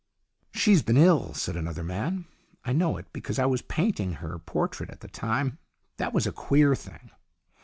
" She's been ill," said another man. " I know it because I was painting her portrait at the time. That was a queer thing.